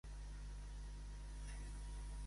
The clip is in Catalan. Per què van destacar Filemó i Baucis?